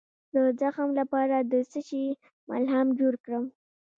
د زخم لپاره د څه شي ملهم جوړ کړم؟